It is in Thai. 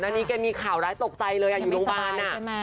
อันนี้แกมีข่าวร้ายตกใจเลยอยู่โรงพยาบาล